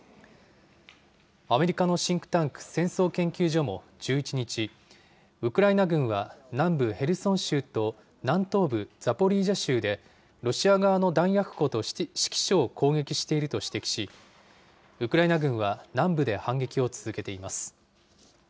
アメリカのシンクタンク、戦争研究所も１１日、ウクライナ軍は南部ヘルソン州と、南東部ザポリージャ州でロシア側の弾薬庫と指揮所を攻撃していると指摘し、ウクライナ軍は南部で反撃を続けています。